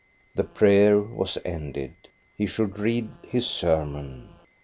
The prayer was ended. He should read his sermon.